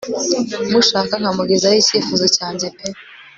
mushaka nkamugezaho icyifuza cyanjye pe